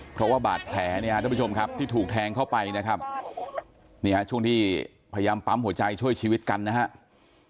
เพราะว่าบาดแผลที่ถูกแทงเข้าไปนะครับช่วงที่พยายามปั๊มหัวใจช่วยชีวิตกันนะครับ